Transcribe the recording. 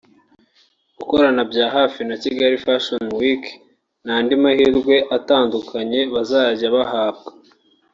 gukorana bya hafi na Kigali Fashion Week n’andi mahirwe atandukanye bazajya bahabwa